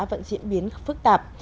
vẫn diễn biến phức tạp